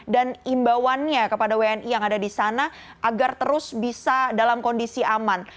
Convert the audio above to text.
dan imbauannya kepada wni yang ada di sana agar terus bisa dalam kondisi aman